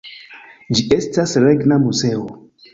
Ĝi estas regna muzeo.